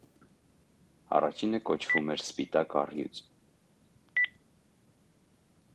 Առաջինը կոչվում էր «սպիտակ առյուծ»։